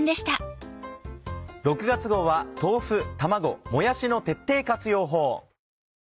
６月号は豆腐卵もやしの徹底活用法。